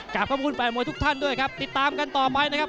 ขอบคุณแฟนมวยทุกท่านด้วยครับติดตามกันต่อไปนะครับ